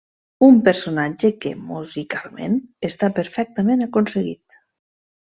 Un personatge que, musicalment, està perfectament aconseguit.